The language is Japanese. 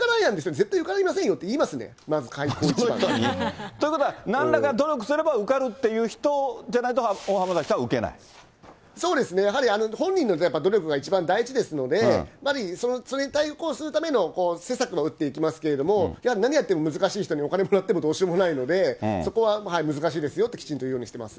絶対受かりませんよって言いますということはなんらか、努力すれば受かるっていう人じゃないと、大そうですね、やはり本人のやっぱ努力が一番大事ですので、やっぱりそれに対抗するための施策を打っていきますけれども、やはり何やっても難しい人にお金かけてもどうしようもないので、そこは難しいですよってきちんと言うようにしてます。